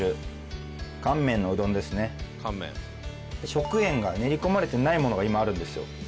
食塩が練り込まれてないものが今あるんですよ。